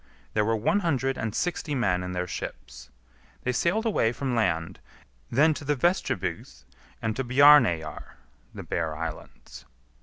There were one hundred and sixty men in their ships. They sailed away from land; then to the Vestribygd and to Bjarneyjar (the Bear Islands).